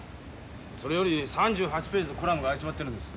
それより３８ページのコラムが空いちまってるんです。